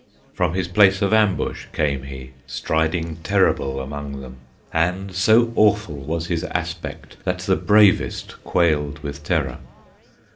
From his place of ambush came he, Striding terrible among them, And so awful was his aspect That the bravest quailed with terror.